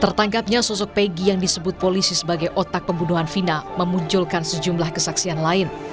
tertangkapnya sosok pegi yang disebut polisi sebagai otak pembunuhan vina memunculkan sejumlah kesaksian lain